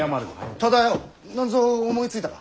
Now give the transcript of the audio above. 忠世何ぞ思いついたか？